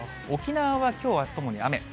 沖縄はきょう、あすともに雨。